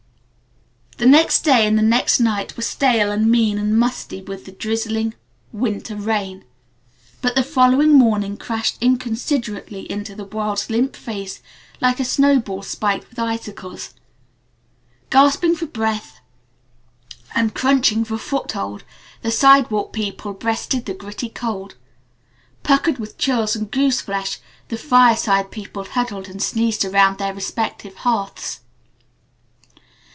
The next day and the next night were stale and mean and musty with a drizzling winter rain. But the following morning crashed inconsiderately into the world's limp face like a snowball spiked with icicles. Gasping for breath and crunching for foothold the sidewalk people breasted the gritty cold. Puckered with chills and goose flesh, the fireside people huddled and sneezed around their respective hearths.